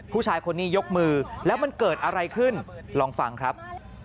ผู้ชายคนนี้ยกมือแล้วมันเกิดอะไรขึ้นลองฟังครับ